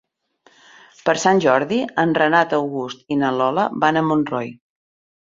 Per Sant Jordi en Renat August i na Lola van a Montroi.